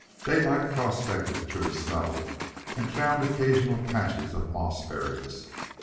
Daylight prospected through the snow, and found occasional patches of mossberries.